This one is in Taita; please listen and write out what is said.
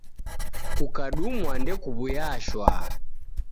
Kukadumwa ndekuw'uya shwaa.